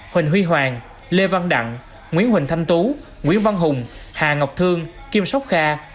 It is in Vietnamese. huỳnh huy hoàng lê văn đặng nguyễn huỳnh thanh tú nguyễn văn hùng hà ngọc thương kim sóc kha